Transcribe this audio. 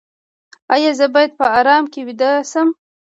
ایا زه باید په ارام کې ویده شم؟